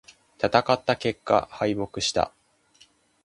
戦った結果、敗北した。